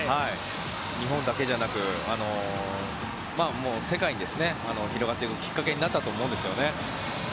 日本だけじゃなく世界に広がっていくきっかけになったと思うんですよね。